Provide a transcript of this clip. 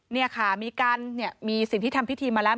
นี่ค่ะมีการมีสิ่งที่ทำพิธีมาแล้ว